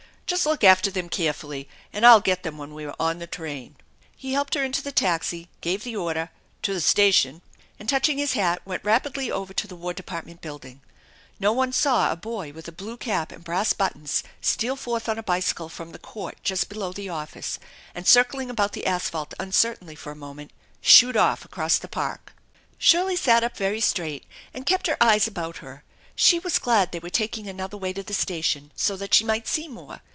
Just look after them carefully and I'll get them when we are on the train." He helped her into the taxi, gave the order, " To th* station," and touching his hat, went rapidly over to the Wai Department Building. No one saw a boy with a blue cap and brass buttons steal forth on a bicycle from the court just below the office, and circling about the asphalt uncertainly for a moment, shoot off across the park. THE ENCHANTED BARN 245 Shirley sat up very straight and kept her eyes about her. She was glad they were taking another way to the station so that she might see more.